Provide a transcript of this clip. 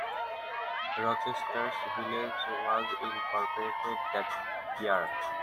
Rochester's village was incorporated that year.